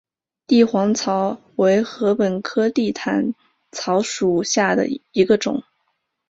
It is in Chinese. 帝皇草为禾本科地毯草属下的一个种。